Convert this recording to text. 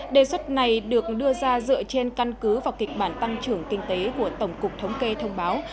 đề xuất này được đưa ra dựa trên căn cứ vào kịch bản tăng trưởng kinh tế của tổng cục thống kê thông báo